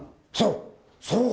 そう。